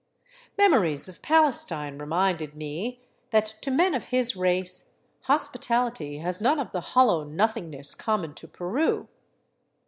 Memories of Palestine reminded me that to men of his race hospitality has none of the hollow nothingness common to Peru.